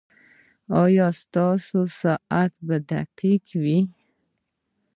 ایا ستاسو ساعت به دقیق وي؟